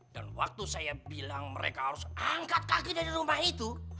dan waktu saya bilang mereka harus angkat kaki dari rumah itu